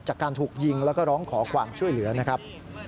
จากการถูกยิงแล้วก็ร้องขอความช่วยเหลือนะครับ